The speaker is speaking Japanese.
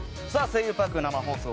「声優パーク」生放送。